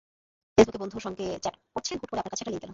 ফেসবুকে বন্ধুর সঙ্গে চ্যাট করছেন, হুট করে আপনার কাছে একটি লিংক এল।